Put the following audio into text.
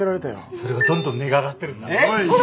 それがどんどん値が上がってるんだ。